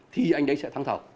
thì anh đấy sẽ thắng thầu